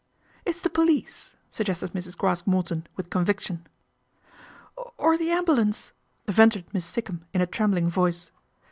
It's the police," suggested Mrs. Craske Morton, with conviction. " Or the ambulance," ventured Miss Sikkum in a trembling voice.